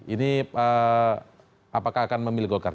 ini apakah akan memilih golkar